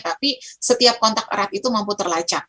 tapi setiap kontak erat itu mampu terlacak